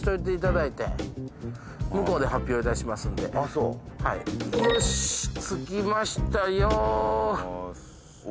そうはいよし着きましたよ